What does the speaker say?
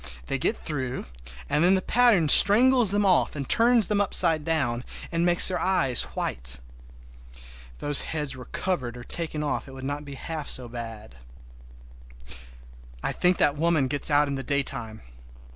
They get through, and then the pattern strangles them off and turns them upside down, and makes their eyes white! If those heads were covered or taken off it would not be half so bad. I think that woman gets out in the daytime!